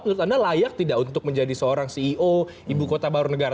menurut anda layak tidak untuk menjadi seorang ceo ibu kota baru negara